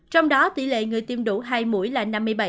trong đó tỷ lệ người tiêm đủ hai mũi là năm mươi bảy